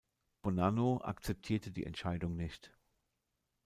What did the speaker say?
Bonanno akzeptierte die Entscheidung nicht.